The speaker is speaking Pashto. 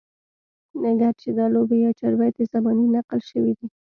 اګر چې دا لوبې يا چاربيتې زباني نقل شوي دي